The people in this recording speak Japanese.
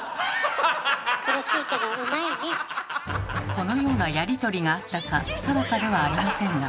このようなやり取りがあったか定かではありませんが。